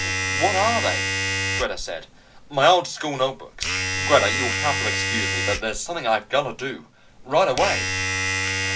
"What are they?" Greta said. "My old school notebooks. Greta, you'll have to excuse me. But there's something I've got to do, right away!"